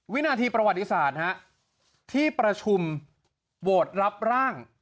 วินาทีประวัติศาสตร์ที่ประชุมโหวตรับร่าง